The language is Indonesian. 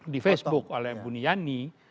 di facebook oleh buniyani